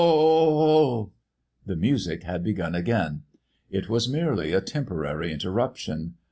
Oh, oh, oh h h h!!!" The music had begun again. It was merely a temporary interruption.